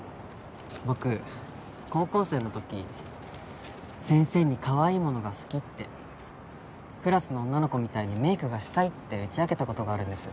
僕高校生のとき先生にかわいいものが好きってクラスの女の子みたいにメイクがしたいって打ち明けたことがあるんです。